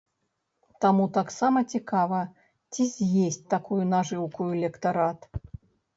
Таму таксама цікава, ці з'есць такую нажыўку электарат?